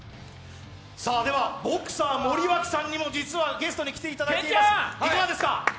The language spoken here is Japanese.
ではボクサー・森脇さんにもゲストで来ていただいています。